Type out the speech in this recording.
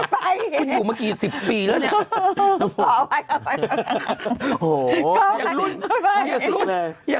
ไม่ไปนะคุณอยู่เมื่อกี้๑๐ปีแล้วเนี่ย